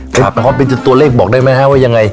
เขาเป็นจุดตัวเลขบอกได้มั้ยคะว่ายังไง